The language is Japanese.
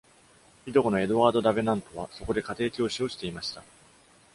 いとこのエドワード・ダヴェナントは、そこで家庭教師をしていました。